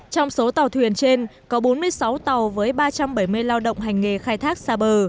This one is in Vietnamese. trong số tàu thuyền trên có bốn mươi sáu tàu với ba trăm bảy mươi lao động hành nghề khai thác xa bờ